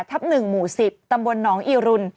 ๕๘ทับ๑หมู่๑๐ตำบวนหนองอิรุณ